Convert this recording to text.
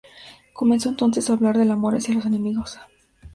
Comenzó entonces a hablar del amor hacia los enemigos.